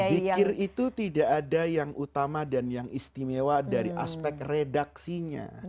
zikir itu tidak ada yang utama dan yang istimewa dari aspek redaksinya